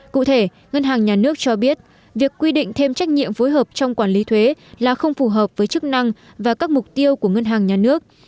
cụ thể ngân hàng nhà nước cho biết việc quy định thêm trách nhiệm phối hợp trong quản lý thuế là không phù hợp với chức năng và các mục tiêu của ngân hàng nhà nước